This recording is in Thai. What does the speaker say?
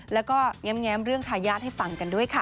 แล้วก็แง้มเรื่องทายาทให้ฟังกันด้วยค่ะ